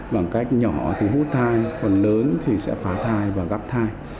bằng cách nhỏ thì hút thai phần lớn thì sẽ phá thai và gắp thai